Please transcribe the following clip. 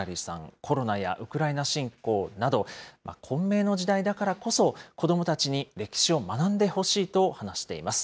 コロナやウクライナ侵攻など、混迷の時代だからこそ、子どもたちに歴史を学んでほしいと話しています。